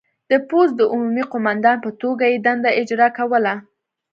د پوځ د عمومي قوماندان په توګه یې دنده اجرا کوله.